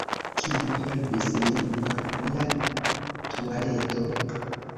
Kiu helpis lin por lia tualeto?